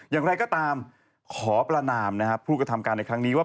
อย่างไรก็ตามขอประนามนะครับผู้กระทำการในครั้งนี้ว่า